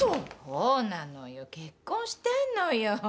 そうなのよ結婚してんのよ。